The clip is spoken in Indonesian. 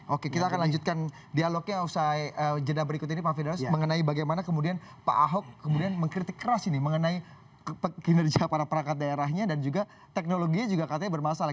oke kita akan lanjutkan dialognya usai jeda berikut ini pak fidaus mengenai bagaimana kemudian pak ahok kemudian mengkritik keras ini mengenai kinerja para perangkat daerahnya dan juga teknologinya juga katanya bermasalah